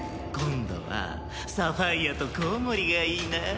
今度はサファイアとコウモリがいいな。